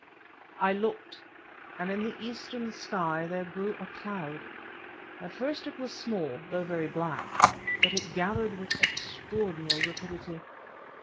I looked, and in the eastern sky there grew a cloud. At first it was small, though very black, but it gathered with extraordinary rapidity.